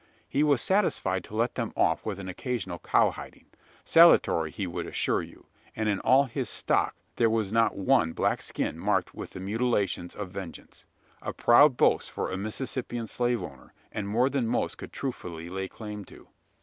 He was satisfied to let them off with an occasional "cow hiding" salutary, he would assure you; and in all his "stock" there was not one black skin marked with the mutilations of vengeance a proud boast for a Mississippian slave owner, and more than most could truthfully lay claim to.